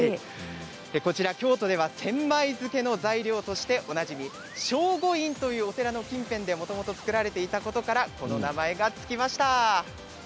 こちら京都では千枚漬の材料としておなじみ聖護院というお寺の近辺でもともと作られていたことからこの名前が付きました。